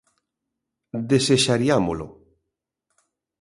Desexariámolo.